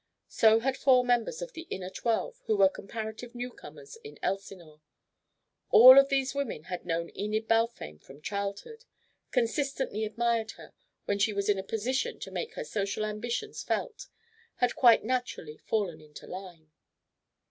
So had four members of the inner twelve who were comparative newcomers in Elsinore. All of these women had known Enid Balfame from childhood, consistently admired her; when she was in a position to make her social ambitions felt, had quite naturally fallen into line.